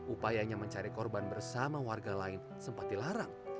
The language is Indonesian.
upayanya mencari korban bersama warga lain sempat dilarang